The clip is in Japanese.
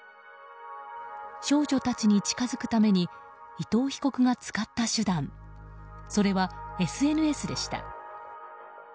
少女たちに近づくために伊藤被告が使った手段それはＳＮＳでした。